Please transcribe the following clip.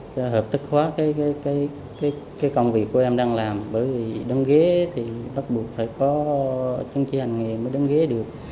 để hợp tức hóa công việc em đang làm bởi vì đông ghế thì bắt buộc phải có chứng chỉ hành nghề mới đông ghế được